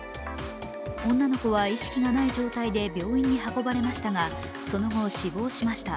女の子は意識がない状態で病院に運ばれましたが、その後、死亡しました。